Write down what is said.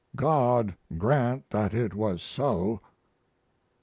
God grant that it was so!